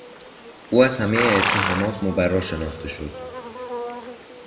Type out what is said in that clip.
او از همهی اتهامات مبری شناخته شد.